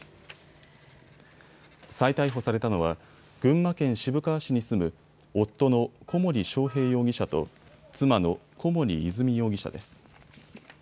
再逮捕されたのは群馬県渋川市に住む夫の小森章平容疑者と妻の小森和美容疑者です。